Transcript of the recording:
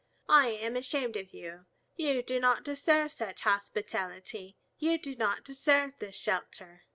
I am ashamed of you! You do not deserve such hospitality. You do not deserve this shelter."